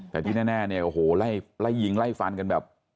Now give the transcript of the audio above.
แต่ที่แน่ไล่ยิงไล่ฟันกันแบบ